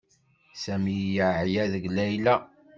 Sami yeɛya deg Layla.